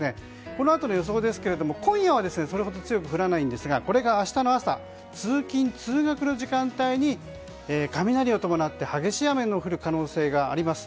このあとの予想ですが今夜はそれほど強く降らないんですがこれが明日の朝通勤・通学の時間帯に雷を伴って激しい雨の降る可能性があります。